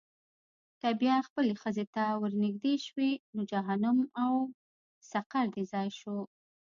که بیا خپلې ښځې ته ورنېږدې شوې، نو جهنم او سقر دې ځای شو.